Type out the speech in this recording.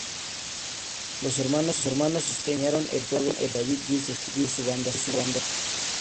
Los hermanos Stamper diseñaron el juego y David Wise escribió su banda sonora.